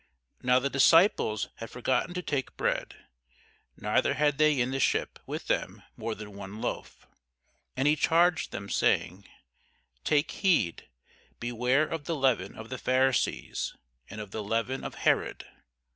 Now the disciples had forgotten to take bread, neither had they in the ship with them more than one loaf. And he charged them, saying, Take heed, beware of the leaven of the Pharisees, and of the leaven of Herod.